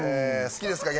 好きですか？